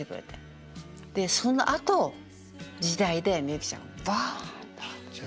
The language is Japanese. でそのあと「時代」でみゆきちゃんがボンと上がったんです。